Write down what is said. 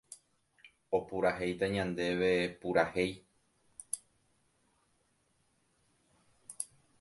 opurahéita ñandéve purahéi